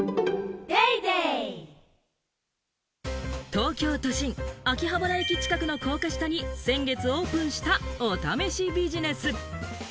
東京都心、秋葉原駅近くの高架下に先月オープンしたお試しビジネス。